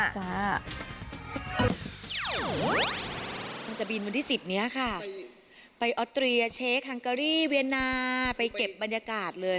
ต้องจะบีนวันที่สิบเนี้ยค่ะไปออสตรียาเช็คฮังเกอรี่เวียนาไปเก็บบรรยากาศเลย